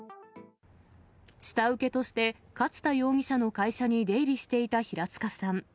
下請けとして、勝田容疑者の会社に出入りしていた平塚さん。